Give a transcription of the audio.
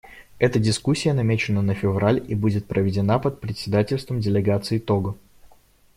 Эта дискуссия намечена на февраль и будет проведена под председательством делегации Того.